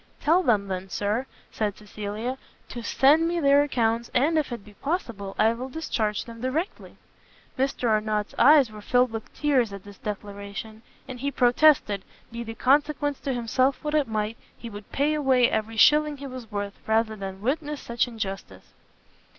"Tell them, then, Sir," said Cecilia, "to send me their accounts, and, if it be possible, I will discharge them directly." Mr Arnott's eyes were filled with tears at this declaration, and he protested, be the consequence to himself what it might, he would pay away every shilling he was worth, rather than witness such injustice.